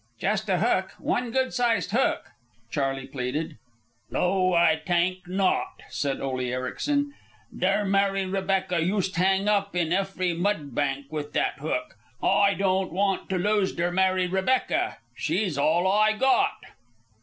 "Just a hook, one good sized hook," Charley pleaded. "No, Ay tank not," said Ole Ericsen. "Der Mary Rebecca yust hang up on efery mud bank with that hook. Ay don't want to lose der Mary Rebecca. She's all Ay got."